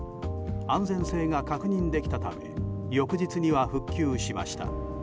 安全性が確認できたため翌日には復旧しました。